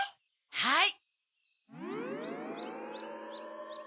はい。